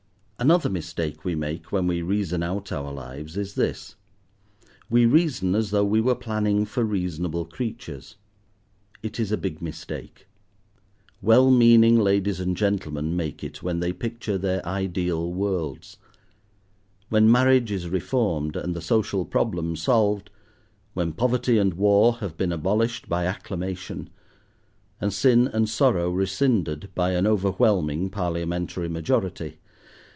Another mistake we make when we reason out our lives is this: we reason as though we were planning for reasonable creatures. It is a big mistake. Well meaning ladies and gentlemen make it when they picture their ideal worlds. When marriage is reformed, and the social problem solved, when poverty and war have been abolished by acclamation, and sin and sorrow rescinded by an overwhelming parliamentary majority!